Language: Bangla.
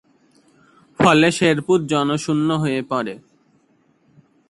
ফলে শেরপুর জনশূন্য হয়ে পড়ে।